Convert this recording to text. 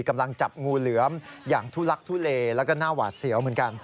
กำลังจับงูเหลือมอย่างทุลักทุเลแล้วก็หน้าหวาดเสียวเหมือนกัน